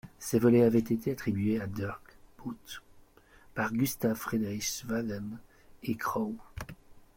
Ces volets avaient été attribués à Dirk Bouts par Gustav Friedrich Waagen et Crowe.